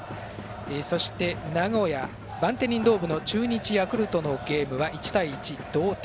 そして名古屋、バンテリンドーム中日、ヤクルトのゲームは１対１、同点。